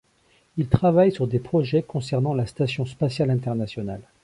Il travaille sur des projets concernant la station spatiale internationale.